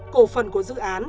cổ phần của dự án